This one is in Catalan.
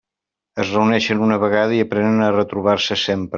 Es reuneixen una vegada i aprenen a retrobar-se sempre.